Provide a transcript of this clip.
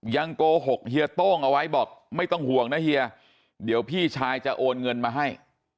โกหกเฮียโต้งเอาไว้บอกไม่ต้องห่วงนะเฮียเดี๋ยวพี่ชายจะโอนเงินมาให้